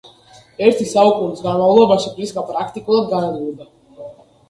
ერთი საუკუნის განმავლობაში პლისკა პრაქტიკულად განადგურდა.